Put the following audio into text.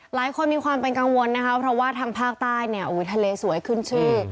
หลายคนมีความเป็นกังวลนะคะเพราะว่าทางภาคใต้เนี่ยทะเลสวยขึ้นชื่อ